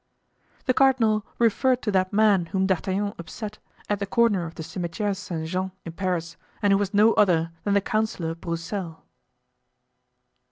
The cardinal referred to that man whom D'Artagnan upset at the corner of the Cimetiere Saint Jean in Paris, and who was no other than the Councillor Broussel.